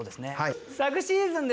昨シーズンですね